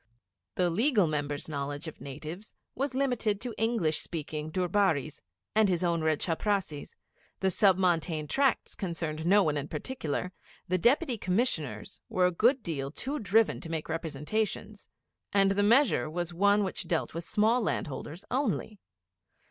The Legal Member's knowledge of natives was limited to English speaking Durbaris, and his own red chaprassis, the Sub Montane Tracts concerned no one in particular, the Deputy Commissioners were a good deal too driven to make representations, and the measure was one which dealt with small land holders only.